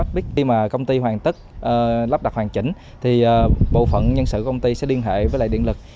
khi mà công ty hoàn tất lắp đặt hoàn chỉnh thì bộ phận nhân sự công ty sẽ liên hệ với lại điện lực